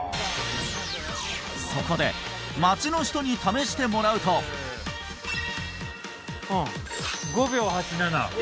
そこで街の人に試してもらうとうん５秒８７おお